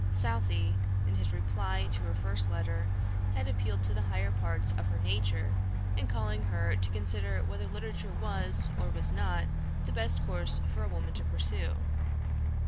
Southey, in his reply to her first letter, had appealed to the higher parts of her nature, in calling her to consider whether literature was, or was not, the best course for a woman to pursue.